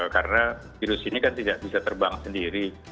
karena virus ini kan tidak bisa terbang sendiri